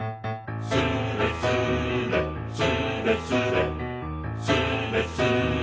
「スレスレスレスレ」「スレスレスーレスレ」